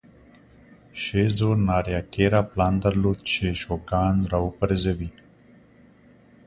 شیزو ناریاکیرا پلان درلود چې شوګان را وپرځوي.